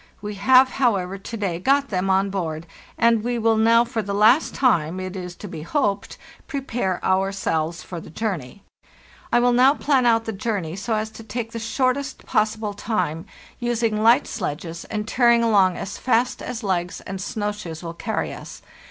We have, however, to day got them on board, and we will now for the last time, it is to be hoped, prepare ourselves for the journey. I will now plan out the journey so as to take the shortest possible time, using WE MAKE A START 109 light sledges and tearing along as fast as legs and snow shoes will carry us.